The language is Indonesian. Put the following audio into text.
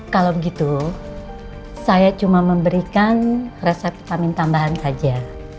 kalau begitu saya cuma memberikan resep vitamin tambahan saja